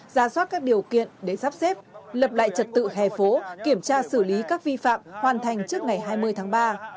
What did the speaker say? ra soát các điều kiện để sắp xếp lập lại trật tự hè phố kiểm tra xử lý các vi phạm hoàn thành trước ngày hai mươi tháng ba